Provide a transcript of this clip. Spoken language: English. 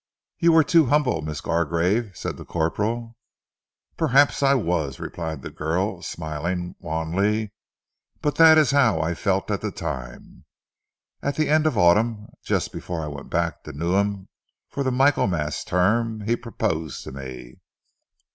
"You were too humble, Miss Gargrave," said the corporal. "Perhaps I was," replied the girl, smiling wanly. "But that is how I felt at the time.... At the end of the autumn, just before I went back to Newnham for the Michælmas term, he proposed to me."